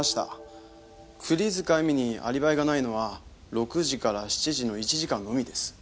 栗塚エミにアリバイがないのは６時から７時の１時間のみです。